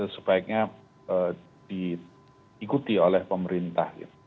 sebaiknya diikuti oleh pemerintah